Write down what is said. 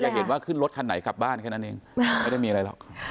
เห็นว่าขึ้นรถคันไหนกลับบ้านแค่นั้นเองไม่ได้มีอะไรหรอก